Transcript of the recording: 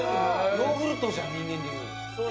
ヨーグルトじゃん人間で言う。